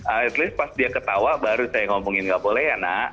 at least pas dia ketawa baru saya ngomongin nggak boleh ya nak